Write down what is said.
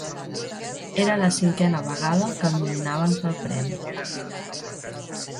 Era la cinquena vegada que el nominaven per al premi.